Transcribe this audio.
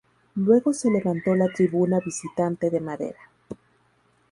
Luego se levantó la tribuna visitante de madera.